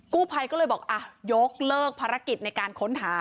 กู้ภัยก็เลยบอกอ่ะยกเลิกภารกิจในการค้นหา